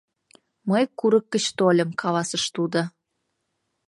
— «Мый курык гыч тольым», — каласыш тудо.